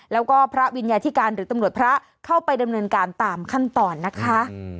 แล้วก็พระวิญญาธิการหรือตำรวจพระเข้าไปดำเนินการตามขั้นตอนนะคะ